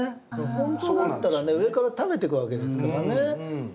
本当だったらね上から食べてくわけですからね。